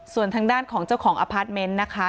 ส่วนทางด้านของเจ้าของอพาร์ทเมนต์นะคะ